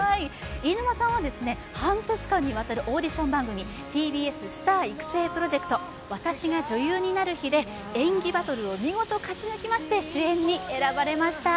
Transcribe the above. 飯沼さんは、半年間にわたるオーディション番組ＴＢＳスター育成プロジェクト『私が女優になる日』で演技バトルを見事勝ち抜きまして主演に選ばれました。